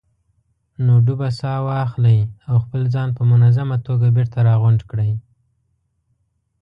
نو ډوبه ساه واخلئ او خپل ځان په منظمه توګه بېرته راغونډ کړئ.